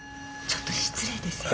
ちょっと失礼ですよ。